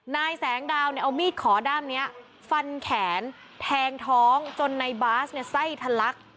นายแสงดาวเอามีดขอด้ามนี้ฟันแขนแทงท้องจนในบาสใส่ทะลัก